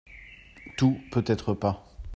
Tout, peut-être pas.